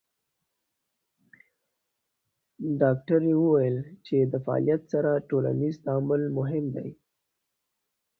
ډاکټره وویل چې د فعالیت سره ټولنیز تعامل مهم دی.